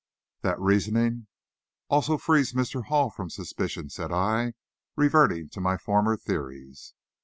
"That reasoning also frees Mr. Hall from suspicion," said I, reverting to my former theories.